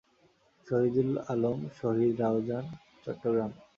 শহীদুল আলম শহীদরাউজান, চট্টগ্রাম